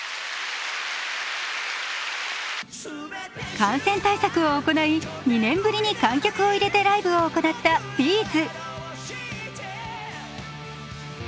感染対策を行い、２年ぶりに観客を入れてライブを行ったＢ’ｚ。